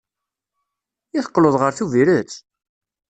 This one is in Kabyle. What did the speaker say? I teqqleḍ ɣer Tubiret?